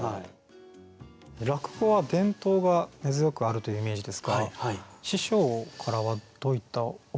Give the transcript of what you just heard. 落語は伝統が根強くあるというイメージですが師匠からはどういった教えがあるんですか？